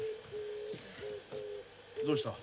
どうした？